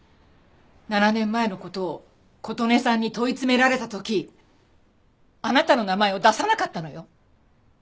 ７年前の事を琴音さんに問い詰められた時あなたの名前を出さなかったのよ。